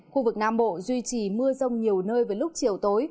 khu vực nam bộ duy trì mưa rông nhiều nơi với lúc chiều tối